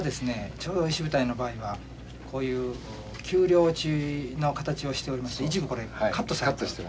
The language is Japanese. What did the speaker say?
ちょうど石舞台の場合はこういう丘陵地の形をしておりまして一部これカットして。